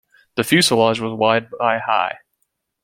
The fuselage was wide by high.